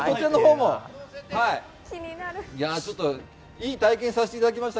いい体験をさせていただきました。